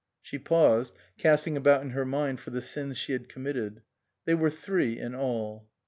She paused, casting about in her mind for the sins she had committed. They were three in all.